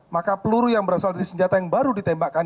maka peluru yang berasal dari senjata yang baru ditembakkan